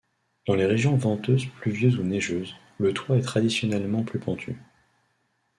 Dans les régions venteuses pluvieuses ou neigeuses, le toit est traditionnellement plus pentu.